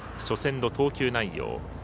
初戦の投球内容。